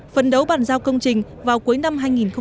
phấn đấu bàn giao công trình vào cuối năm hai nghìn hai mươi